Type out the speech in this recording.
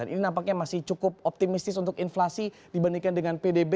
ini nampaknya masih cukup optimistis untuk inflasi dibandingkan dengan pdb